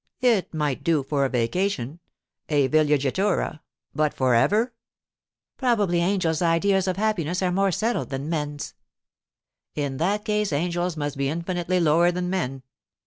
It might do for a vacation—a villeggiatura—but for ever!' 'Probably angels' ideas of happiness are more settled than men's.' 'In that case angels must be infinitely lower than men.